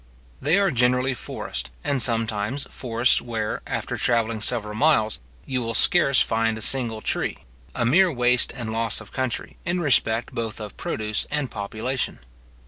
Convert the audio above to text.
They are generally forest, and sometimes forests where, after travelling several miles, you will scarce find a single tree; a mere waste and loss of country, in respect both of produce and population.